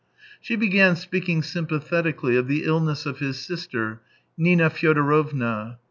She began speaking sympathetically of the illness of his sister, Nina Fyodorovna.